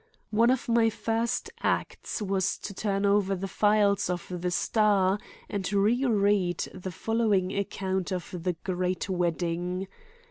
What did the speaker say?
One of my first acts was to turn over the files of the Star and reread the following account of the great wedding.